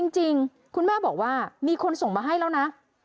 จริงคุณแม่บอกว่ามีคนส่งมาให้แล้วนะ